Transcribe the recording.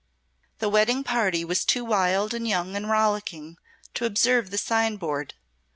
The wedding party was too wild and young and rollicking to observe the sign board.